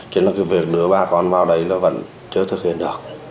chứ việc đưa bà con vào đấy vẫn chưa thực hiện được